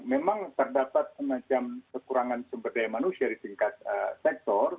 memang terdapat semacam kekurangan sumber daya manusia di tingkat sektor